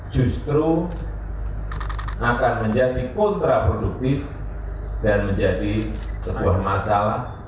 justru akan menjadi kontraproduktif dan menjadi sebuah masalah